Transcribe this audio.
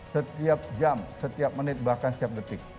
setiap jam setiap menit bahkan setiap detik